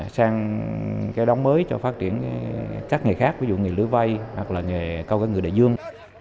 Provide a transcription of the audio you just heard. sang cái đóng mới cho phát triển các nghề khác ví dụ nghề lưới vây hoặc là nghề câu cá ngừ đại dương